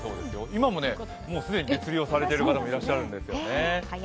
今もね、既に釣りをされている方もいらっしゃるんですよね。